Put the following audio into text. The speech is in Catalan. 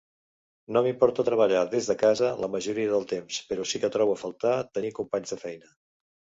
No m'importa treballar des de casa la majoria del temps, però sí que trobo a faltar tenir companys de feina.